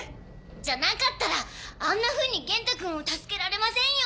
じゃなかったらあんなふうに元太くんを助けられませんよ。